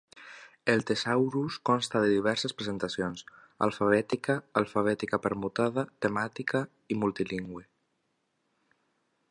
El tesaurus consta de diverses presentacions: alfabètica, alfabètica permutada, temàtica i multilingüe.